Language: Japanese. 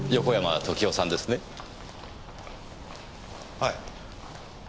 はい。